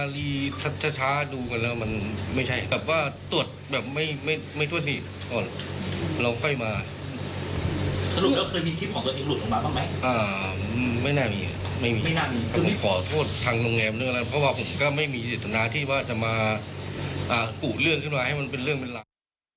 เรื่องขึ้นมาให้มันเป็นเรื่องเป็นหลัก